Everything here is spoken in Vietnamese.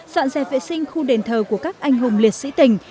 dọn dẹp vệ sinh khu đền thờ của các anh hùng liệt sĩ tỉnh